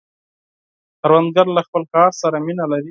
کروندګر له خپل کار سره مینه لري